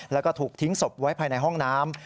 แล้วก็ถูกทิ้งศพไว้ภายในห้องน้ำ